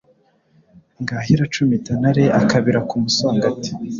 Ngaha iracumita Ntare Akabira ku musongati.